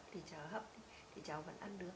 thì cháu hấp thì cháu vẫn ăn được